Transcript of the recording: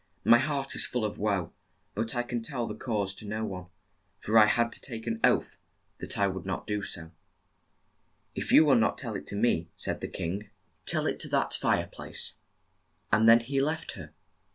"My heart is full of woe, but I can tell the cause to no one, for I had to take an oath that I would not do so." "If you will not tell it to me," said the king, "tell it to THE GOOSE GIRL 49 that fire place." And then he left her.